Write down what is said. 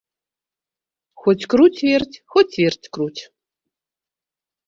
Хоць круць-верць, хоць верць-круць.